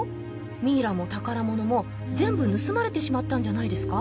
ミイラも宝物も全部盗まれてしまったんじゃないですか？